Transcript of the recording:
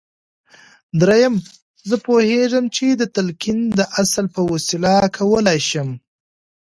درېيم زه پوهېږم چې د تلقين د اصل په وسيله کولای شم.